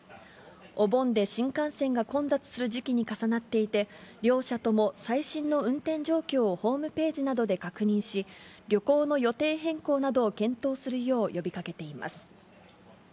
お盆で新幹線が混雑する時期に重なっていて、両社とも最新の運転状況をホームページなどで確認し、旅行の予定変更などを検討するよう呼びかけています。